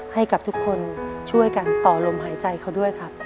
ให้กับทุกคนช่วยกันต่อลมหายใจเขาด้วยครับ